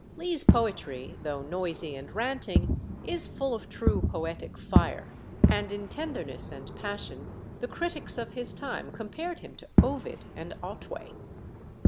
Lee's poetry, though noisy and ranting, is full of true poetic fire, and in tenderness and passion the critics of his time compared him to Ovid and Otway.